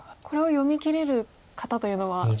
これを読みきれる方というのは。